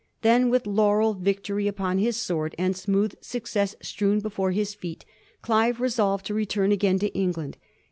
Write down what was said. Then, with laurel victory upon his sword, and smooth success strewn before his feet, Clive resolved to return again to England.